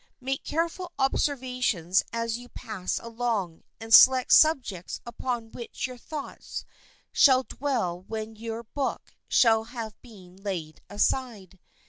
Make careful observations as you pass along, and select subjects upon which your thoughts shall dwell when your book shall have been laid aside.